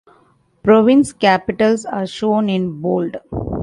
Province capitals are shown in bold.